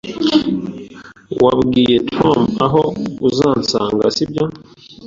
Wabwiye Tom aho uzansanga, sibyo?